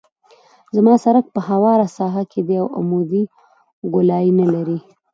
زما سرک په همواره ساحه کې دی او عمودي ګولایي نلري